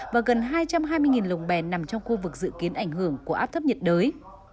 và gần hai trăm hai mươi lồng bèn nằm trong khu vực dự kiến ảnh hưởng của áp thấp nhiệt đới